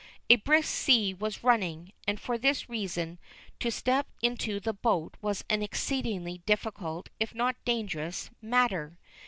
A brisk sea was running, and for this reason to step into the boat was an exceedingly difficult if not a dangerous, matter.